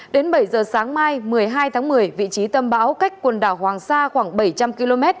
đến bảy giờ sáng mai một mươi hai tháng một mươi vị trí tâm bão cách quần đảo hoàng sa khoảng bảy trăm linh km